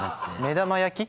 目玉焼き。